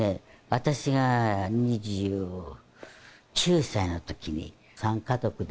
私が２９歳の時に３家族でね